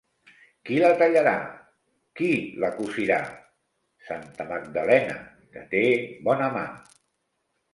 Qui la tallarà? Qui la cosirà? Santa Magdalena, que té bona mà.